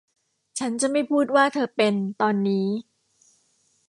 ฉันจะไม่พูดว่าเธอเป็น ตอนนี้